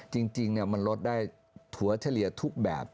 กันจริงเนี่ยมันลดถั่วเฉรียทุกแบบ